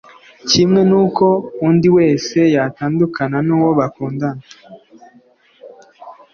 kimwe n’uko undi wese yatandukana n’uwo bakundana